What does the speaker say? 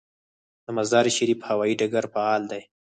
د مزار شریف هوايي ډګر فعال دی